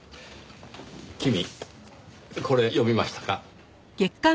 君これ読みましたか？